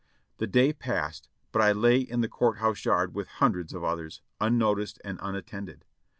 The day passed, but I lay in the court house yard with hundreds of others, unnoticed and unattended.